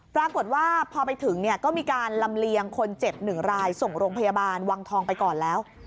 ปรากฏว่าพอไปถึงเนี่ยก็มีการลำเลียงคนเจ็บ๑รายส่งโรงพยาบาลวังทองไปก่อนแล้ว